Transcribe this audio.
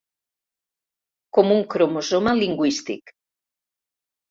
Com un cromosoma lingüístic.